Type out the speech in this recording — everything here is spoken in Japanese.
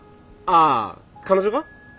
あ彼女が？